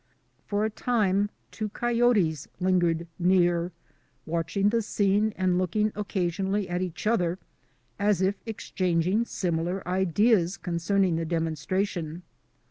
For a time two coyotes lingered near, watching the scene and looking occasionally at each other as if exchanging similar ideas concerning the demonstration.